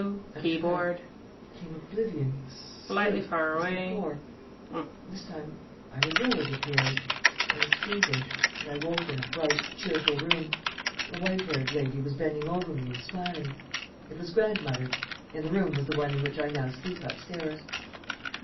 "After that, came oblivion, sleep, as before. ... This time, I was ill, it appears; I was feverish. ... And I woke in a bright, cheerful room. A white haired lady was bending over me and smiling. It was grandmother ... and the room was the one in which I now sleep upstairs."